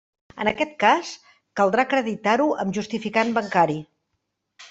En aquest cas, caldrà acreditar-ho amb justificant bancari.